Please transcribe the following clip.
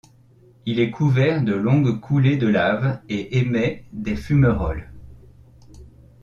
Il est couvert de longues coulées de lave et émet des fumerolles.